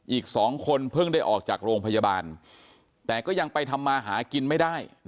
อีก๒คนเพิ่งได้ออกจากโรงพยาบาลแต่ก็ยังไปทำมาหากินไม่ได้